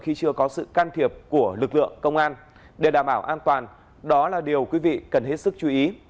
khi chưa có sự can thiệp của lực lượng công an để đảm bảo an toàn đó là điều quý vị cần hết sức chú ý